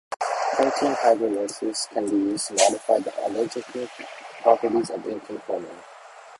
Protein hydrolysis can be used to modify the allergenic properties of infant formula.